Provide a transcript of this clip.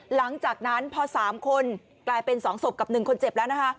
หลังจากนั้นพอ๓คนกลายเป็น๒ศพกับ๑คนเจ็บแล้วนะคะ